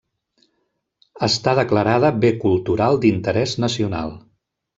Està declarada bé cultural d'interès nacional.